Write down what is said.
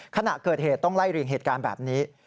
ขณะเกิดเหตุต้องไล่เรียงเหตุการณ์แบบนี้